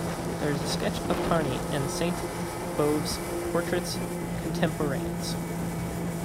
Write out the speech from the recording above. There is a sketch of Parny in Sainte-Beuve's "Portraits contemporains".